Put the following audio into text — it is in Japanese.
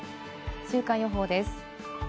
週間予報です。